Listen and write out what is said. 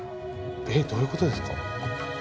えどういうことですか？